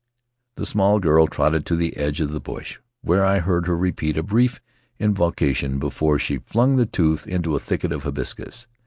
The small girl trotted to the edge of the bush, where I heard her repeat a brief invocation before she flung the tooth into a thicket of hibiscus.